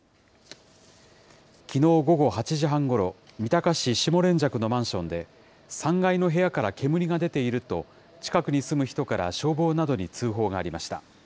きのう午後８時半ごろ、三鷹市下連雀のマンションで、３階の部屋から煙が出ていると、近くに住む人から消防などに通報がありました。